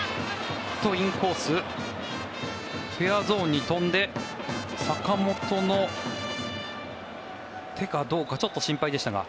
インコースフェアゾーンに飛んで坂本の手かどうかちょっと心配でしたが。